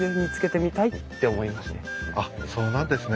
あっそうなんですね。